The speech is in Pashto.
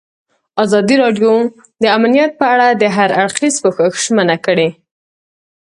ازادي راډیو د امنیت په اړه د هر اړخیز پوښښ ژمنه کړې.